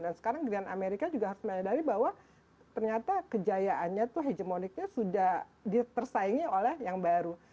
dan sekarang negara amerika juga harus menyadari bahwa ternyata kejayaannya itu hegemoniknya sudah tersaingi oleh yang baru